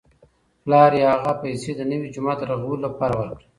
پلار یې هغه پیسې د نوي جومات د رغولو لپاره ورکړې.